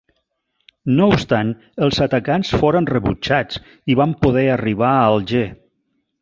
No obstant els atacants foren rebutjats i van poder arribar a Alger.